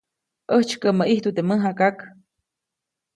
ʼÄjtsykäʼmäʼ ʼijtu teʼ mäjakak.